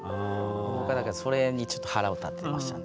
僕はだからそれにちょっと腹を立ててましたね。